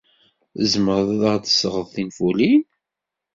Tzemred ad aɣ-d-tesɣed tinfulin?